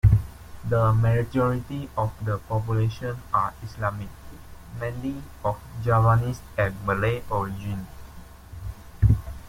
The majority of the population are Islamic, mainly of Javanese and Malay origin.